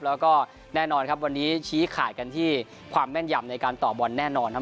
แล้วก็แน่นอนครับวันนี้ชี้ขาดกันที่ความแม่นยำในการต่อบอลแน่นอนครับ